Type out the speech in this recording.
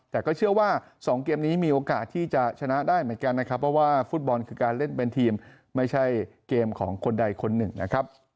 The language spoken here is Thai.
แต่ก็เชื่อว่า๒เกมนี้มีโอกาสที่จะชนะได้เหมือนกันนะครับเพราะว่าฟุตบอลคือการเล่นเป็นทีมไม่ใช่เกมของคนใดคนหนึ่งนะครับ